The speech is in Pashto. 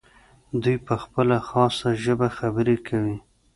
دوی په خپله خاصه ژبه خبرې کوي.